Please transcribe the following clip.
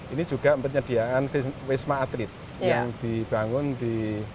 ini juga penyediaan wisma atlet yang dibangun di